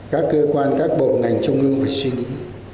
các cơ quan các bộ ngành trung ương phải suy nghĩ